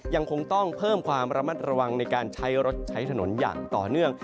ยังคงต้องเพิ่มความระมัดระวังในการใช้รถใช้ถนนอย่างต่อเนื่อง